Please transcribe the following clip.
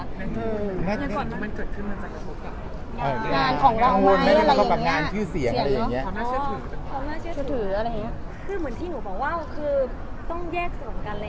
เป็นไงก่อนเบอกัน